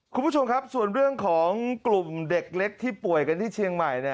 คุณผู้ชมครับส่วนเรื่องของกลุ่มเด็กเล็กที่ป่วยกันที่เชียงใหม่